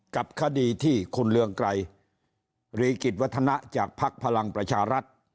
กับคดีที่คุณเรืองไกรรีกิจวัฒนะจากภักดิ์พลังประชารัฐ